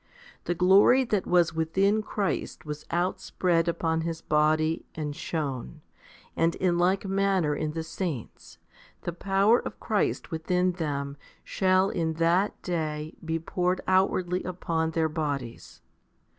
The glory that was within Christ was outspread upon His body and shone ; and in like manner in the saints, the power of Christ within them shall in that day be poured outwardly upon their bodies.